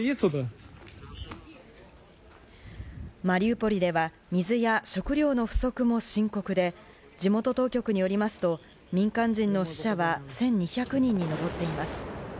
マリウポリでは水や食料の不足も深刻で、地元当局によりますと民間人の死者は１２００人にのぼっています。